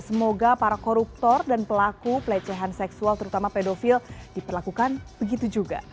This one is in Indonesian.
semoga para koruptor dan pelaku pelecehan seksual terutama pedofil diperlakukan begitu juga